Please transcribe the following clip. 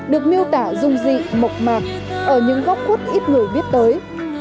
được miêu tả rung rị mộc mạc ở những góc khuất ít người biết tới